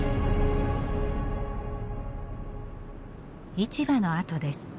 市場の跡です。